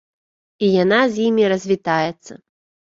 І яна з імі развітаецца.